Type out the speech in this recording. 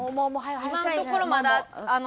今のところまだ。